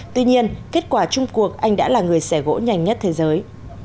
tuy nhiên kết quả chung cuộc anh đã là người xẻ gỗ nhanh nhất thế giới